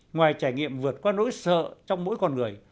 ngoài trải nghiệm vượt qua nỗi sợ trong mỗi con người